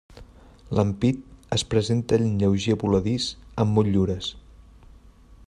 L'ampit es presenta en lleuger voladís amb motllures.